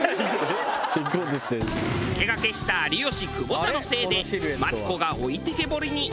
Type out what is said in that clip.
抜け駆けした有吉久保田のせいでマツコが置いてけぼりに。